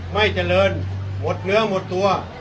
ไม่เจริญหมดเนื้อหมดตัว